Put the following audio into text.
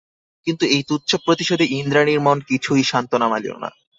কিন্তু এই তুচ্ছ প্রতিশোধে ইন্দ্রাণীর মন কিছুই সান্ত্বনা মানিল না।